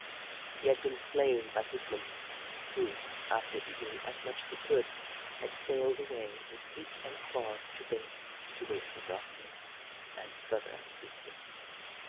He had been slain by Hoot Mon, who, after eating as much as he could, had sailed away with beak and claws dripping, to wait for darkness and further feasting.